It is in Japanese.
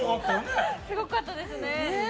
すごかったですね。